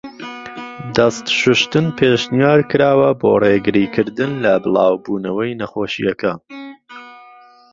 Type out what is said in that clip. دەست شووشتن پێشنیارکراوە بۆ ڕێگری کردن لە بڵاو بوونەوەی نەخۆشیەکە.